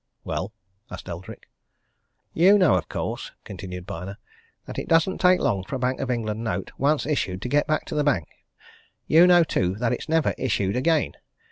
"Well?" asked Eldrick. "You know, of course," continued Byner, "that it doesn't take long for a Bank of England note, once issued, to get back to the Bank? You know, too, that it's never issued again.